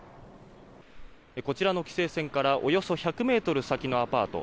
こちらの規制線からおよそ１００ｍ先のアパート